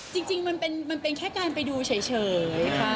จริงมันเป็นแค่การไปดูเฉยค่ะ